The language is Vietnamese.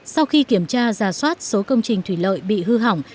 sau khi kiểm tra giả soát số công trình thủy lợi bị hư hỏng